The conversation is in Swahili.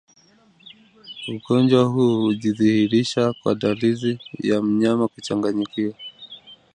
Ugonjwa huu hujidhihirisha kwa dalili ya mnyama kuchanganyikiwa